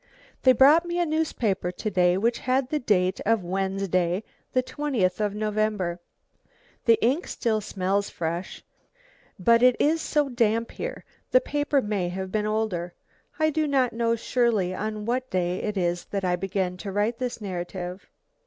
They brought me a newspaper to day which had the date of Wednesday, the 20th of November. The ink still smells fresh, but it is so damp here, the paper may have been older. I do not know surely on what day it is that I begin to write this narrative.